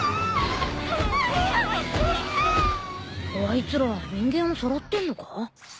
あいつら人間をさらってんのか？